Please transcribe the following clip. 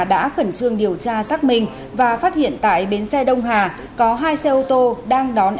đã khẩn trương điều tra xác minh và phát hiện tại bến xe đông hà có hai xe ô tô đang đón